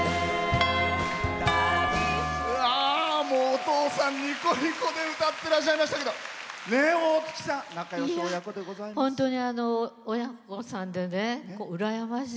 お父さんニコニコで歌ってらっしゃいましたけど大月さん仲よい親子でございます。